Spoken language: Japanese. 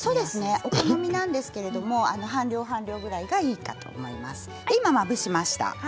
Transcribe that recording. おすすめなんですけど半量、半量ぐらいがいいと思います。